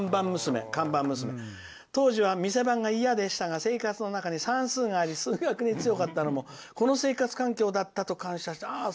当時は店番が嫌でしたが生活の中に算数があり数学に強かったのもこの生活環境だと感謝しており」